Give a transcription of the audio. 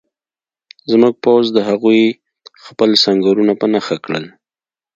زموږ پوځ د هغوی خپل سنګرونه په نښه کول